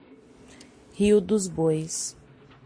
Rio dos Bois